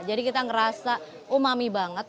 jadi kita ngerasa umami banget